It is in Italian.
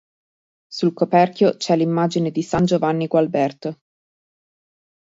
Sul coperchio c'è l'immagine di San Giovanni Gualberto.